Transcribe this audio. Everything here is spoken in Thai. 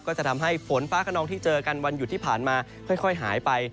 ก็จะทำให้ฝนฟ้าขนองที่เจอกันวันหยุดที่ผ่านมาค่อยหายไป